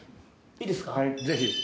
いいですか？